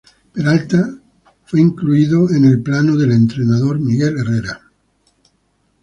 Peralta fue incluido en el plano del entrenador Miguel Herrera.